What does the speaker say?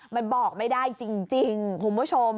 มันบอกไม่ได้จริงคุณผู้ชม